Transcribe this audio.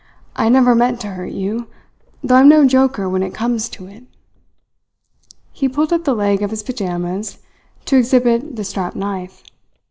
I never meant to hurt you though I am no joker when it comes to it." He pulled up the leg of his pyjamas to exhibit the strapped knife.